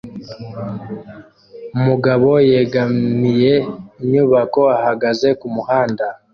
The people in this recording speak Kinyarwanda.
Umugabo yegamiye inyubako ahagaze kumuhanda